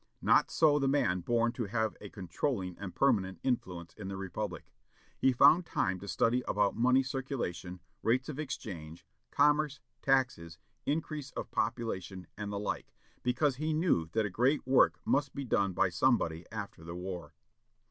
Not so the man born to have a controlling and permanent influence in the republic. He found time to study about money circulation, rates of exchange, commerce, taxes, increase of population, and the like, because he knew that a great work must be done by somebody after the war.